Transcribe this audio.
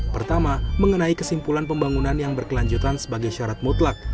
pertama mengenai kesimpulan pembangunan yang berkelanjutan sebagai syarat mutlak